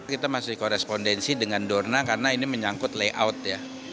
kita masih korespondensi dengan dorna karena ini menyangkut layout ya